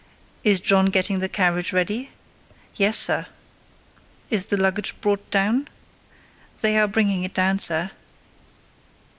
"Is John getting the carriage ready?" "Yes, sir." "Is the luggage brought down?" "They are bringing it down, sir."